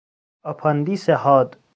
آپاندیس حاد